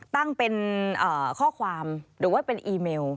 ตั้งเป็นข้อความหรือว่าเป็นอีเมล